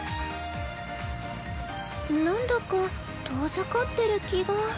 なんだか遠ざかってる気が。